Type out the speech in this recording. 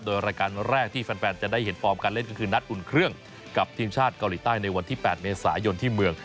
โดยรายการแรกที่แฟนจะได้เห็นฟอร์มการเล่นก็คือนัดอุ่นเครื่องกับทีมชาติเกาหลีใต้ในวันที่๘เมษายนที่เมือง